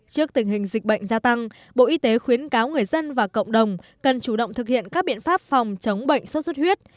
trước tình hình dịch bệnh gia tăng bộ y tế khuyến cáo người dân và cộng đồng cần chủ động thực hiện các biện pháp phòng chống bệnh sốt xuất huyết